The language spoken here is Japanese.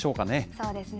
そうですね。